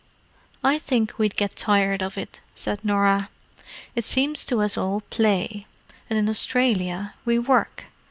"I think we'd get tired of it," said Norah. "It seems to us all play: and in Australia, we work.